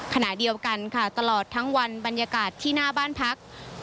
ขณะเดียวกันค่ะตลอดทั้งวันบรรยากาศที่หน้าบ้านพัก